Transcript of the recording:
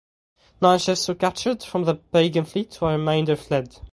Nine ships were captured from the pagan fleet while the remainder fled.